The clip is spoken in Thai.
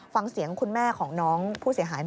ฟังเสียงคุณแม่ของน้องผู้เสียหายหน่อย